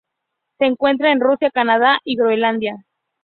Se encuentra en Rusia, Canadá y Groenlandia.